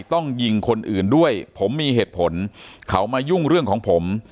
ต้องยิงคนอื่นด้วยผมมีเหตุผลเขามายุ่งเรื่องของผม